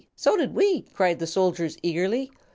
So did we!" cried the soldiers, eagerly.